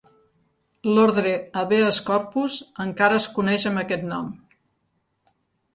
L'ordre "habeas corpus" encara es coneix amb aquest nom.